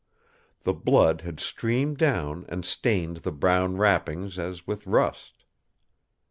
The blood had streamed down and stained the brown wrappings as with rust.